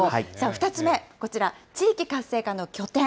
２つ目こちら、地域活性化の拠点。